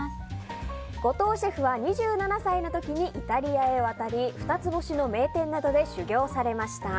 後藤シェフは２７歳の時にイタリアへ渡り二つ星の名店などで修業されました。